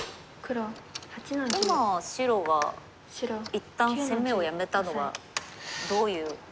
今白が一旦攻めをやめたのはどういう。